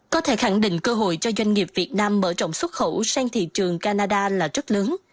có thể khẳng định cơ hội cho doanh nghiệp việt nam mở rộng xuất khẩu sang thị trường canada là rất lớn